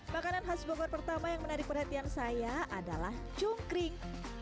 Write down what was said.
makanan khas bogor pertama yang menarik perhatian saya adalah cungkring